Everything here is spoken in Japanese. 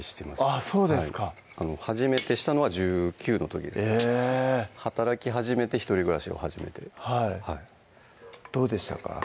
あぁそうですか初めてしたのは１９の時ですえ働き始めて一人暮らしを始めてどうでしたか？